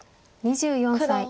２４歳。